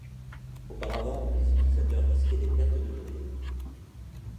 Auparavant, les utilisateurs risquaient des pertes de données.